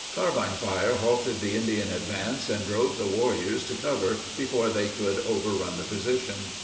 Carbine fire halted the Indian advance and drove the warriors to cover before they could overrun the position.